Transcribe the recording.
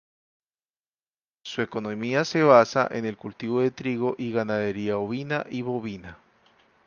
Su economía se basa en cultivo de trigo y ganadería ovina y bovina.